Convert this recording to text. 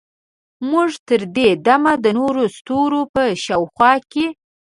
موږ تر دې دمه د نورو ستورو په شاوخوا کې